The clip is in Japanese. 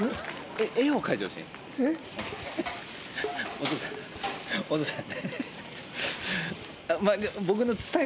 お父さんお父さん。